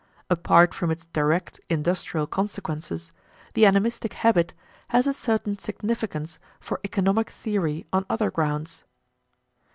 Apart from its direct industrial consequences, the animistic habit has a certain significance for economic theory on other grounds.